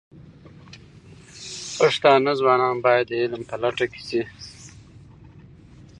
پښتانه ځوانان باید د علم په لټه کې شي.